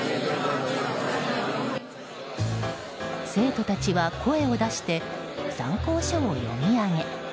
生徒たちは声を出して参考書を読み上げ。